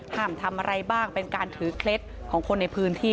ทำอะไรบ้างเป็นการถือเคล็ดของคนในพื้นที่